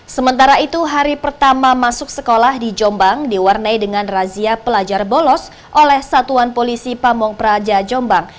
sementara itu hari pertama masuk sekolah di jombang diwarnai dengan razia pelajar bolos oleh satuan polisi pamung praja jombang